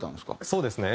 そうですね。